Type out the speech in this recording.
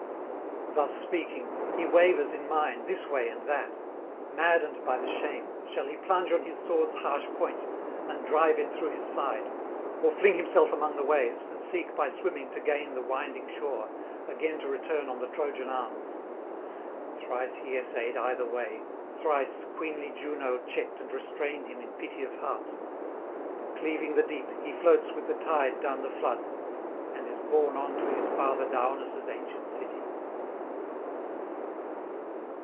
Thus speaking, he wavers in mind this way and that: maddened by the shame, shall he plunge on his sword's harsh point and drive it through his side, or fling himself among the waves, and seek by swimming to gain the winding shore, again to return on the Trojan arms? Thrice he essayed either way; thrice queenly Juno checked and restrained him in pity of heart. Cleaving the deep, he floats with the tide down the flood, and is borne on to his father Daunus' ancient city.